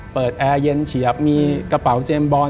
แอร์เย็นเฉียบมีกระเป๋าเจมส์บอล